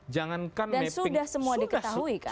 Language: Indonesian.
dan sudah semua diketahui kan